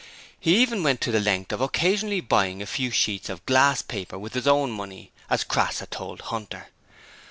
He even went to the length of occasionally buying a few sheets of glasspaper with his own money, as Crass had told Hunter.